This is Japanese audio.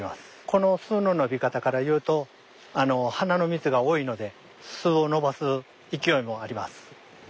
この巣の伸び方から言うとあの花の蜜が多いので巣を伸ばす勢いもあります。